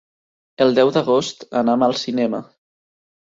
El deu d'agost anam al cinema.